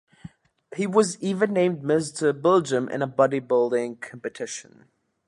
He was even named "Mr. Belgium" in a bodybuilding competition.